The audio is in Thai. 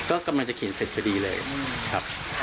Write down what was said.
ก็กำลังจะเขียนเสร็จพอดีเลยครับ